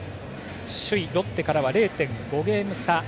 首位、ロッテからは０．５ゲーム差。